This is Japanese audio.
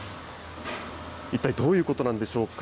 一体どういうことなんでしょうか。